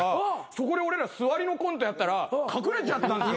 そこで俺ら座りのコントやったら隠れちゃったんすよ